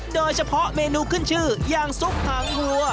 โดยเฉพาะเมนูขึ้นชื่ออย่างซุปหางวัว